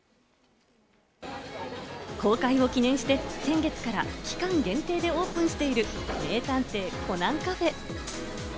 公開を記念して、先月から期間限定でオープンしている、名探偵コナンカフェ。